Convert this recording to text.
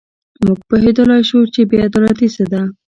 موږ پوهېدلای شو چې بې عدالتي څه ده.